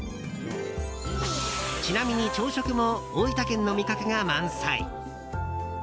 ちなみに朝食も大分県の味覚が満載。